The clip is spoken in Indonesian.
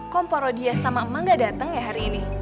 kok poro dia sama emak enggak datang ya hari ini